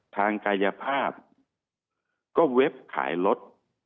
ทางกายภาพก็เว็บขายรถ